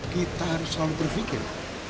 kita harus selalu berpikir